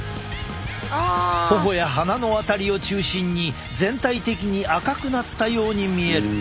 頬や鼻の辺りを中心に全体的に赤くなったように見える。